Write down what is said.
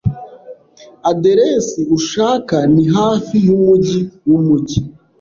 Aderesi ushaka ni hafi yumujyi wumujyi.